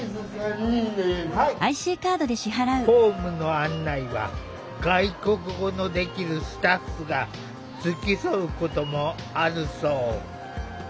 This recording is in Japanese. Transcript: ホームの案内は外国語のできるスタッフが付き添うこともあるそう。